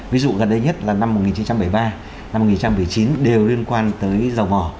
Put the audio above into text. ví dụ gần đây nhất là năm một nghìn chín trăm bảy mươi ba năm một nghìn chín trăm bảy mươi chín đều liên quan tới dầu mỏ